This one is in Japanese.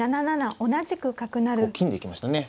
金で行きましたね。